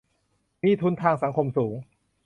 มีทุนทางสังคมสูง